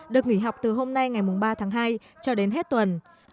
được nghỉ học từ hôm nay ngày ba tháng hai cho đến hết tuần